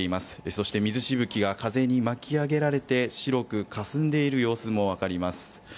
そして、水しぶきが風に巻き上げられて白くかすんでいる様子もわかります。